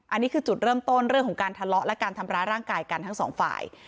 อันนี้คือจุดเริ่มต้นเรื่องของการทะเลาะและการทำร้ายร่างกายกันทั้งสองฝ่าย